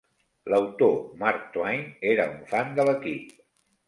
L'autor Mark Twain era un fan de l'equip.